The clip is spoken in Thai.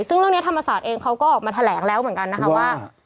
ซึ่งเรื่องนี้ธรรมศาสตร์เองเขาก็ออกมาแถลงแล้วเหมือนกันนะคะว่า